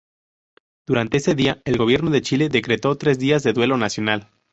Durante ese día, el Gobierno de Chile decretó tres días de duelo nacional.